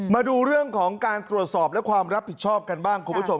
มาดูเรื่องของการตรวจสอบและความรับผิดชอบกันบ้างคุณผู้ชม